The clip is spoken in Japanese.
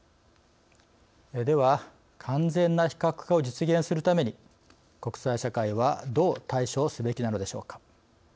では、完全な非核化を実現するために国際社会はどう対処すべきなのでしょうか。